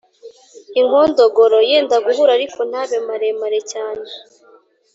inkondogoro: yenda guhura ariko ntabe maremare cyane;